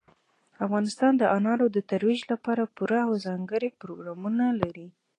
افغانستان د انارو د ترویج لپاره پوره او ځانګړي پروګرامونه لري.